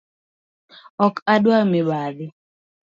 Ok adwar mibadhi.